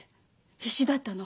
必死だったの。